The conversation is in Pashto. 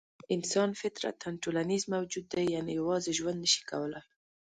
انسان فطرتاً ټولنیز موجود دی؛ یعنې یوازې ژوند نه شي کولای.